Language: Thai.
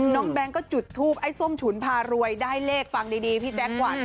แก๊งก็จุดทูปไอ้ส้มฉุนพารวยได้เลขฟังดีพี่แจ๊คขวัญ